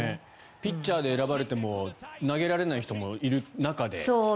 ピッチャーで選ばれても投げられない人もいる中で。